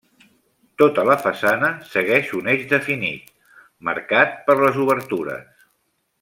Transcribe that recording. Tota la façana segueix un eix definit marcat per les obertures.